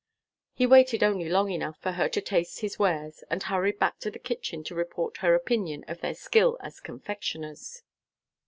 He waited only long enough for her to taste his wares, and hurried back to the kitchen to report her opinion of their skill as confectioners.